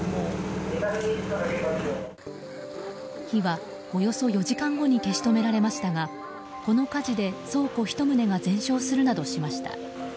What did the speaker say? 火はおよそ４時間後に消し止められましたがこの火事で倉庫１棟が全焼するなどしました。